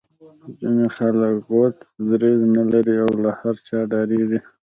ځینې خلک غوڅ دریځ نه لري او له هر چا ډاریږي